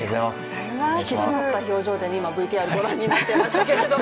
引き締まった表情で今、ＶＴＲご覧になってましたけど。